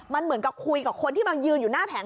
มันเหมือนกับคุยกับคนที่มายืนอยู่หน้าแผง